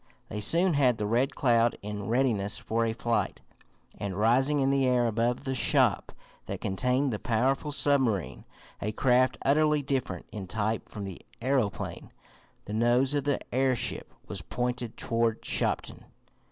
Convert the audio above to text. They soon had the Red Cloud in readiness for a flight, and rising in the air above the shop that contained the powerful submarine, a craft utterly different in type from the aeroplane, the nose of the airship was pointed toward Shopton.